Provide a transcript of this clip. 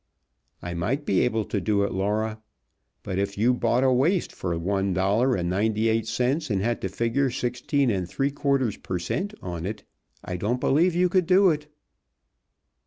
I might be able to do it, Laura, but if you bought a waist for one dollar and ninety eight cents, and had to figure sixteen and three quarters per cent. on it, I don't believe you could do it."